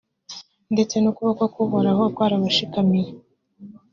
ndetse n’ukuboko k’uhoraho kwarabashikamiye